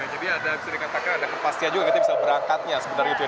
jadi ada bisa dikatakan ada kepastian juga kita bisa berangkatnya sebenarnya gitu ya